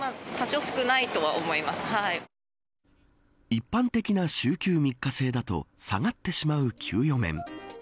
一般的な週休３日制だと下がってしまう給与面。